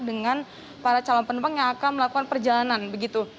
dengan para calon penumpang yang akan melakukan perjalanan begitu